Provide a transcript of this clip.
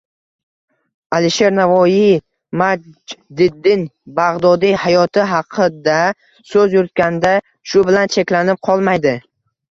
Alisher Navoiy Majdiddin Bagʻdodiy hayoti haqida soʻz yuritganda shu bilan cheklanib qolmaydi